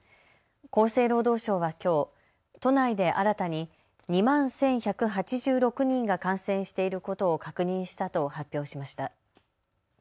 厚生労働省はきょう都内で新たに２万１１８６人が感染していることを確認したと発表しました。